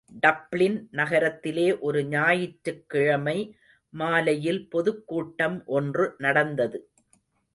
Dublin நகரத்திலே ஒரு ஞாயிற்றுக்கிழமை மாலையில் பொதுக்கூட்டம் ஒன்று நடந்தது.